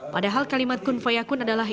padahal kalimat kunfaya kun adalah